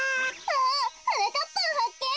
あはなかっぱんはっけん。